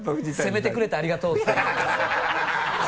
「攻めてくれてありがとう」って言いますね。